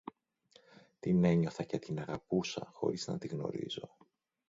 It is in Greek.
Την ένιωθα και την αγαπούσα χωρίς να τη γνωρίζω